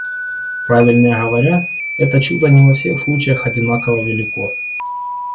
Правильнее говоря, это чудо не во всех случаях одинаково велико.